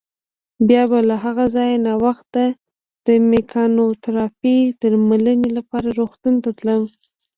بیا به له هغه ځایه ناوخته د مېکانوتراپۍ درملنې لپاره روغتون ته تلم.